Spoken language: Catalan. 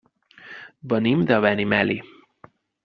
Venim de Benimeli.